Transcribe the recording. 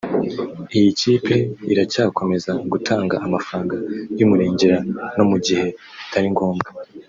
iyi kipe iracyakomeza gutanga amafaranga y’umurengera no mu gihe bitari ngombwa